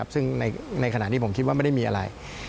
ซึ่งในขณะนี้ผมคิดว่าไม่ได้มีอะไร